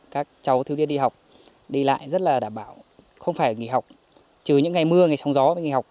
các cháu thiếu điên đi học đi lại rất là đảm bảo không phải nghỉ học trừ những ngày mưa ngày sóng gió nghỉ học